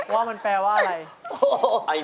ว่ามันแปลว่าอะไร